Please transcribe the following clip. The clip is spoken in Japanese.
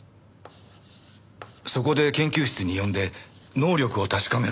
そこで研究室に呼んで能力を確かめると。